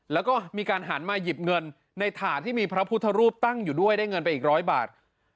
แล้วก็มีการหันมาหยิบเงินในฐานที่มีพระพุทธรูปตั้งอยู่ด้วยได้เงินไปอีกร้อยบาท